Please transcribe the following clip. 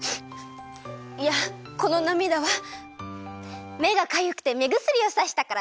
いやこのなみだはめがかゆくてめぐすりをさしたからだよ。